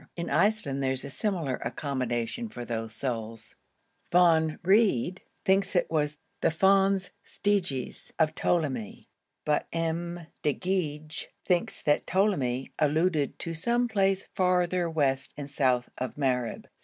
In Iceland there is similar accommodation for those souls. Von Wrede thinks it was the Fons Stygis of Ptolemy, but M. de Goeje thinks that Ptolemy alluded to some place farther west and south of Mareb.